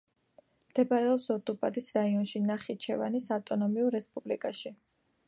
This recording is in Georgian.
მდებარეობს ორდუბადის რაიონში, ნახიჩევანის ავტონომიურ რესპუბლიკაში.